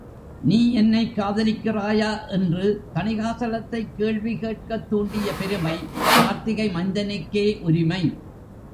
நீ என்னைக் காதலிக்கிறாயா? என்று தணிகாசலத்கைக் கேள்விக் கேட்கத் தூண்டிய பெருமை கார்த்திகை மைந்தனுக்கே உரிமை.